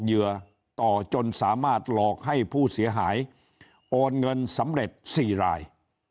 เหยื่อต่อจนสามารถหลอกให้ผู้เสียหายโอนเงินสำเร็จ๔ราย